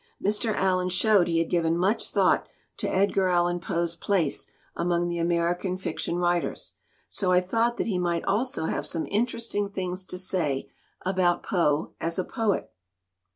Mr. Allen showed he had given much thought to Edgar Allan Poe's place among the American fiction writers, so I thought that he might also have some interesting things to say about Poe as a poet.